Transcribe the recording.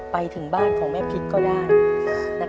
ในบ้านของแม่พริกก็ได้